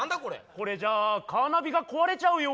これじゃカーナビが壊れちゃうよ。